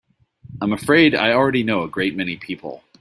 I'm afraid I already know a great many people.